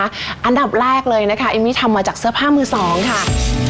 อันดับแรกเลยนะคะเอมมี่ทำมาจากเสื้อผ้ามือสองค่ะ